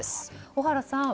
小原さん